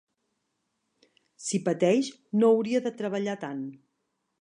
Si pateix, no hauria de treballar tant.